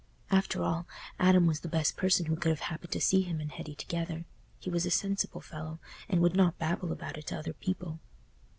After all, Adam was the best person who could have happened to see him and Hetty together—he was a sensible fellow, and would not babble about it to other people.